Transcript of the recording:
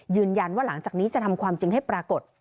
ยืนยันว่าหลังจากนี้จะทำความจริงให้ปรากฏ